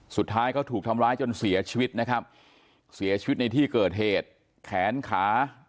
สุดท้ายก็ถูกทำร้ายจนเสียชีวิตนะครับเสียชีวิตในที่เกิดเหตุแขนขา